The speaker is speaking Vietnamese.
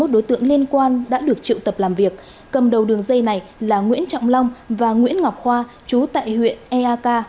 ba mươi một đối tượng liên quan đã được trựu tập làm việc cầm đầu đường xây này là nguyễn trọng long và nguyễn ngọc khoa chú tại huyện eak